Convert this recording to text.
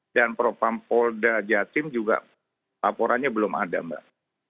dan perupam polda jatim juga laporannya belum ada mbak